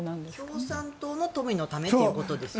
共産党の富のためということですよね。